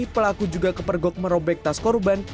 pelaku juga kepergok merobek tas korban